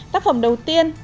tác phẩm đầu tiên